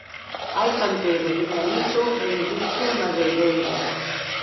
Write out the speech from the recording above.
Hai canteiras de granito e industria madeireira.